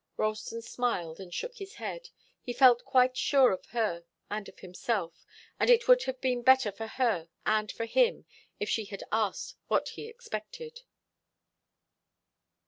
Ralston smiled and shook his head. He felt quite sure of her and of himself. And it would have been better for her and for him, if she had asked what he expected.